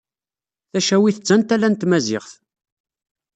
Tacawit d tantala n tmaziɣt.